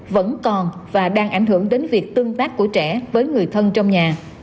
vẫn còn và đang ảnh hưởng đến việc tương tác của trẻ với người thân trong nhà